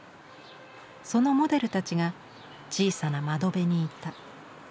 そのモデルたちが小さな窓辺にいた。